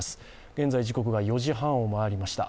現在、時刻が４時半を回りました。